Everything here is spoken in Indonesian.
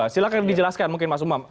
silahkan dijelaskan mungkin mas umam